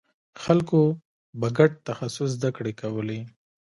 خلکو به ګډ تخصص زدکړې کولې.